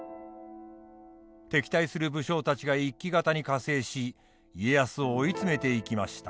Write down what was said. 敵対する武将たちが一揆方に加勢し家康を追い詰めていきました。